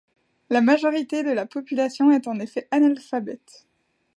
La majorité de la population est en effet analphabète.